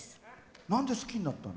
なんで好きになったの？